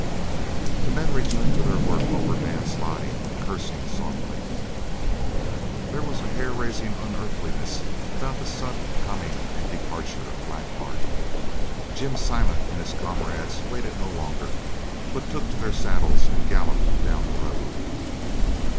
The men returned to their work over Dan's body, cursing softly. There was a hair raising unearthliness about the sudden coming and departure of Black Bart. Jim Silent and his comrades waited no longer, but took to their saddles and galloped down the road.